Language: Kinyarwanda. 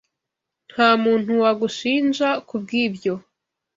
Ntamuntu wagushinja kubwibyo.